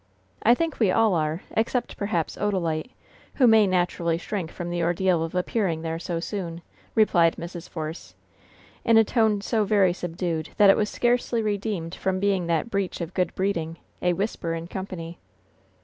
"I think we all are, except, perhaps, Odalite, who may naturally shrink from the ordeal of appearing there so soon," replied Mrs. Force, in a tone so very subdued that it was scarcely redeemed from being that breach of good breeding, a whisper in company.